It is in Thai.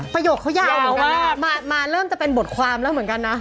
ประโยคเขายาวเหมือนกันมาเริ่มจะเป็นบทความแล้วเหมือนกันนะ